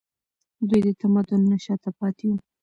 دوی د تمدن نه شاته پاتې وو